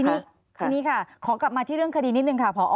เข้าใจค่ะทีนี้ค่ะขอกลับมาที่เรื่องคาดีนิดหนึ่งค่ะผอ